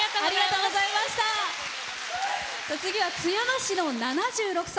次は津山市の７６歳。